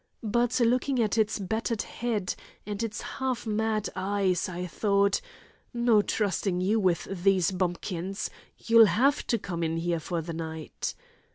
But, looking at its battered head, and its half mad eyes, I thought: 'No trusting you with these bumpkins; you'll have to come in here for the night!'